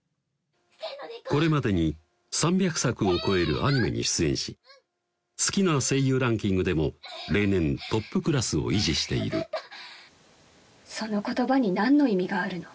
これまでに３００作を超えるアニメに出演し好きな声優ランキングでも例年トップクラスを維持している「その言葉に何の意味があるの？」